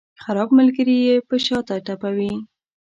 خراب ملګري یې په شاته ټپوي.